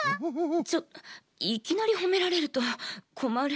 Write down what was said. ちょいきなりほめられるとこまる。